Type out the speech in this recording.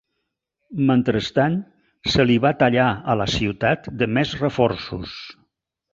Mentrestant, se li va tallar a la ciutat de més reforços.